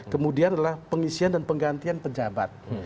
kemudian adalah pengisian dan penggantian pejabat